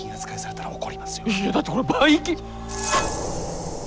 いやだってこれバイキン。